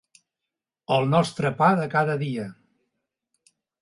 El nostre pa de cada dia.